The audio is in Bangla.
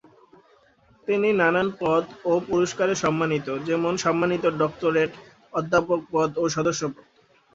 তিনি নানান পদ ও পুরস্কারে সম্মানিত, যেমন, সাম্মানিক ডক্টরেট, অধ্যাপক পদ ও সদস্য পদ।